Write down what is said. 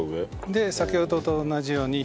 で先ほどと同じように左。